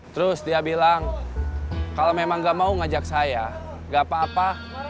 terus dia bilang kalau memang gak mau ngajak saya gak apa apa